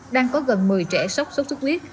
đang có gần một mươi trẻ sốt sốt khuyết